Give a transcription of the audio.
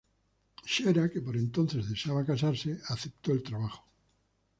Shera, que por entonces deseaba casarse, aceptó el trabajo.